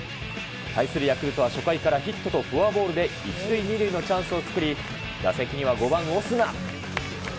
対するヤクルトは初回からヒットとフォアボールで１塁２塁のチャンスを作り、打席には５番オスナ。